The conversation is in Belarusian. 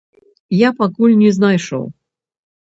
Я пакуль не знайшоў.